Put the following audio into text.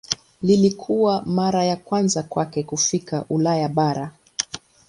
Ilikuwa mara ya kwanza kwake kufika Ulaya bara.